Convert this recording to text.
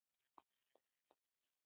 هغوی د ټولنې پر غوښتنو پرده غوړوله.